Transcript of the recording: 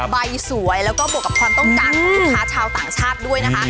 สวยแล้วก็บวกกับความต้องการของลูกค้าชาวต่างชาติด้วยนะคะ